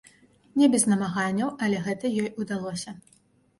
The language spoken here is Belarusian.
Не без намаганняў, але гэта ёй удалося.